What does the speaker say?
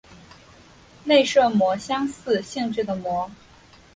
内射模相似性质的模。